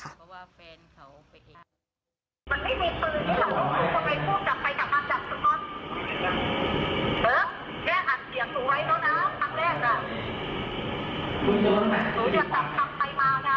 พยายามในสารวัสยังโทรมาหาหลานคู่ได้